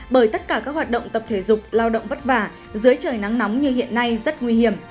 bởi tất cả các hoạt động tập thể dục lao động vất vả dưới trời nắng nóng như hiện nay rất nguy hiểm